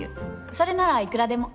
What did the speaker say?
それならいくらでも！